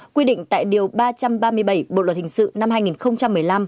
quy định tại điều ba trăm ba mươi bảy bộ luật hình sự năm hai nghìn một mươi năm